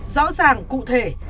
rõ ràng cụ thể